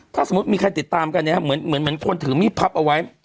ถ้าสมมุติมีใครติดตามกันเนี่ยเหมือนคนถือมีดพับเอาไว้